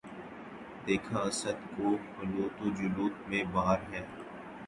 دیکھا اسدؔ کو خلوت و جلوت میں بار ہا